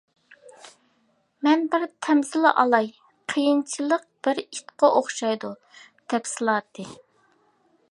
مەن بىر تەمسىل ئالاي، قىيىنچىلىق بىر ئىتقا ئوخشايدۇ. تەپسىلاتى.